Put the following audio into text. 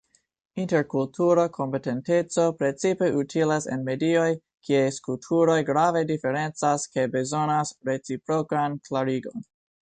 Interkultura kompetenteco precipe utilas en medioj, kies kulturoj grave diferencas kaj bezonas reciprokan klarigon.